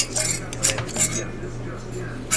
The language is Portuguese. Ela é colombiana